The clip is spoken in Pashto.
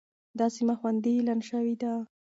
دا سيمه خوندي اعلان شوې ده.